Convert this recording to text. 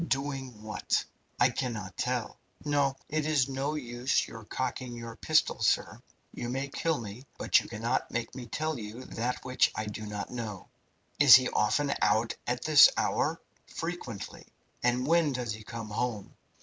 "Doing what?" "I cannot tell. No, it is no use your cocking your pistol, sir. You may kill me, but you cannot make me tell you that which I do not know." "Is he often out at this hour?" "Frequently." "And when does he come home?"